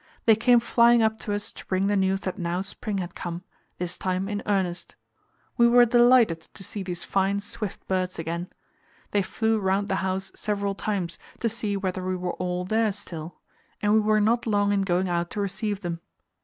They came flying up to us to bring the news that now spring had come this time in earnest. We were delighted to see these fine, swift birds again. They flew round the house several times to see whether we were all there still; and we were not long in going out to receive them.